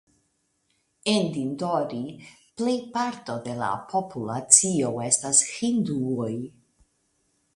En Dindori plejparto de la populacio estas hinduoj.